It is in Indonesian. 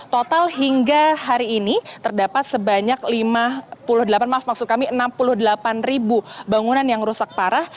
total hingga hari ini terdapat sebanyak enam puluh delapan ribu bangunan yang rusak parah